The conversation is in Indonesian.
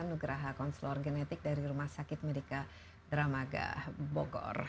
nugraha konselor genetik dari rumah sakit medica dramaga bogor